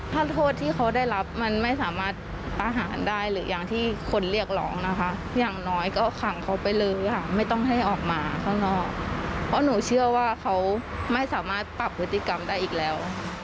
ไม่ต้องให้ออกมาข้างนอกเพราะหนูเชื่อว่าเขาไม่สามารถปรับพฤติกรรมได้อีกแล้ว